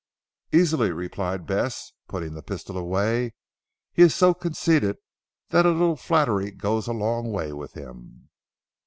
"Easily," replied Bess, putting the pistol away, "he is so conceited that a little flattery goes a long way with him."